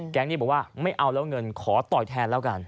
นี้บอกว่าไม่เอาแล้วเงินขอต่อยแทนแล้วกัน